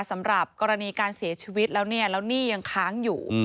สำหรับกรณีการเสียชีวิตแล้วเนี่ยแล้วหนี้ยังค้างอยู่